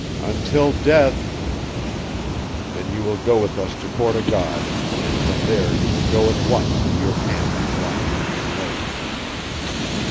"Until death!" "Then you will go with us to Fort o' God, and from there you will go at once to your camp on Blind Indian Lake."